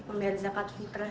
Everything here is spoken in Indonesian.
membiarkan zakat fitrah